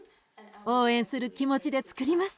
応援する気持ちでつくります。